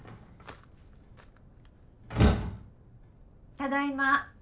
ただいま。